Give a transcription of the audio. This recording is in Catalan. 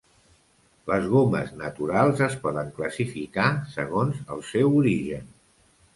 Les gomes naturals es poden classificar segons el seu origen.